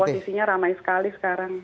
di gunung juga posisinya ramai sekali sekarang